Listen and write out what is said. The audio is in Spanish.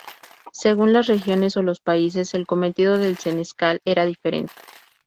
Según las regiones o los países, el cometido del senescal era diferente.